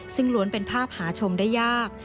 ซึ่งล้วนเป็นภาพหาชมได้ยาก